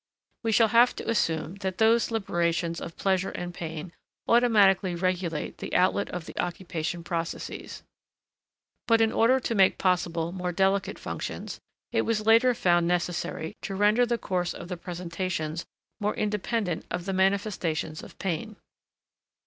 We shall have to assume that those liberations of pleasure and pain automatically regulate the outlet of the occupation processes. But in order to make possible more delicate functions, it was later found necessary to render the course of the presentations more independent of the manifestations of pain.